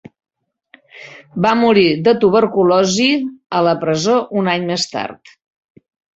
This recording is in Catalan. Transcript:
Va morir de tuberculosi a la presó un any més tard.